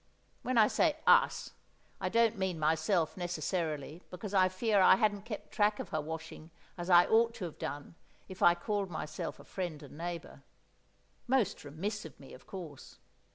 When I say "us" I don't mean myself necessarily, because I fear I hadn't kept track of her washing as I ought to have done if I called myself a friend and neighbour. Most remiss of me, of course.